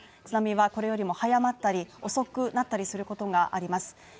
津波はこれよりも早まったり、遅くなったりすることがあります